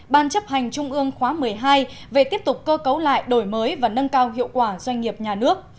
ban chấp hành trung ương khóa một mươi hai về tiếp tục cơ cấu lại đổi mới và nâng cao hiệu quả doanh nghiệp nhà nước